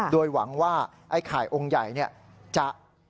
โดยหวังว่าไอ้ไข่องค์ใหญ่จะ